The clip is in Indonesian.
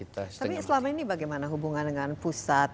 tapi selama ini bagaimana hubungan dengan pusat